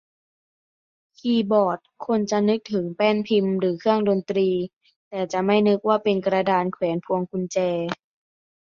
คีย์บอร์ด คนจะนึกถึงแป้นพิมพ์ หรือเครื่องดนตรี แต่จะไม่นึกว่าเป็นกระดานแขวนพวงกุญแจ